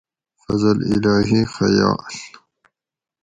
فضل اِلٰہی خیا۟ل